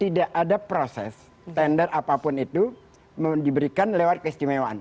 tidak ada proses tender apapun itu diberikan lewat keistimewaan